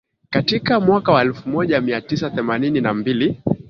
Katika mwaka wa elfu moja mia tisa themanini na mbili